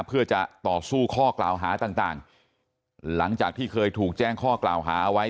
เพื่อจะต่อสู้ข้อกล่าวหาต่างหลังจากที่เคยถูกแจ้งข้อกล่าวหาเอาไว้